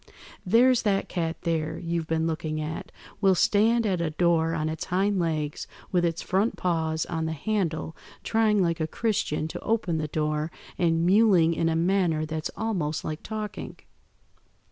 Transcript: There's that cat there, you've been looking at, will stand at a door on its hind legs with its front paws on the handle trying like a Christian to open the door, and mewling in a manner that's almost like talking.